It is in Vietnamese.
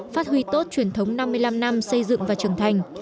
phát huy tốt truyền thống năm mươi năm năm xây dựng và trưởng thành